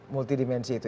multi dimensi itu ya